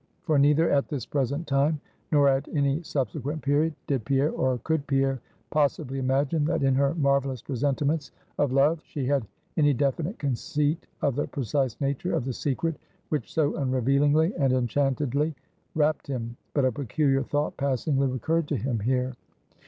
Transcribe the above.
For neither at this present time, nor at any subsequent period, did Pierre, or could Pierre, possibly imagine that in her marvelous presentiments of Love she had any definite conceit of the precise nature of the secret which so unrevealingly and enchantedly wrapt him. But a peculiar thought passingly recurred to him here.